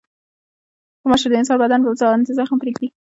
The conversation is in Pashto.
غوماشې د انسان بدن باندې زخم پرېږدي.